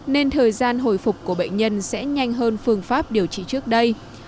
nên thời gian hồi phục của bệnh nhân sẽ nhanh hơn phương pháp điều trị trước đây